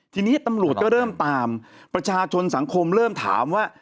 ทีนี้ตำรวจก็เริ่มตามประชาชนสังคมเริ่มถามว่า